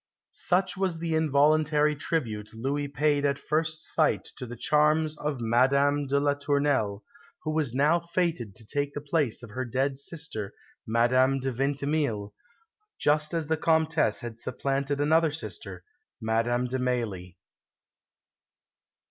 Such was the involuntary tribute Louis paid at first sight to the charms of Madame de la Tournelle, who was now fated to take the place of her dead sister, Madame de Vintimille, just as the Comtesse had supplanted another sister, Madame de Mailly.